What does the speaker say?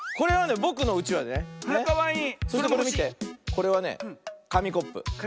これはねかみコップ。